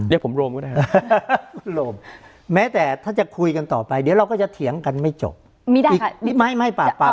เรียกผมโรมก็ได้ครับโรมแม้แต่ถ้าจะคุยกันต่อไปเดี๋ยวเราก็จะเถียงกันไม่จบมีได้ค่ะไม่ไม่ปลาปลา